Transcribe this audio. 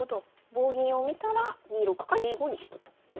棒銀を見たら２六か２五に引くということなんですね。